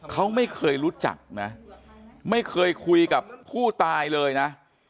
เขาไม่เคยรู้จักนะไม่เคยคุยกับผู้ตายเลยนะ